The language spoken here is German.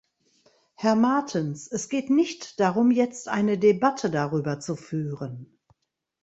Herr Martens, es geht nicht darum, jetzt eine Debatte darüber zu führen.